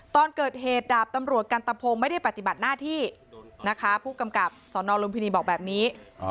ตอนเกิดเหตุดาบตำรวจกันตะพงศ์ไม่ได้ปฏิบัติหน้าที่นะคะผู้กำกับสนลุมพินีบอกแบบนี้